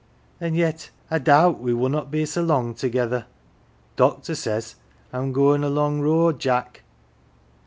An' yet I doubt we wunnot be so long together. Doctor says I'm goin' a long road, Jack."